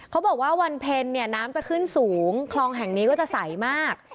บอกว่าวันเพ็ญเนี่ยน้ำจะขึ้นสูงคลองแห่งนี้ก็จะใสมาก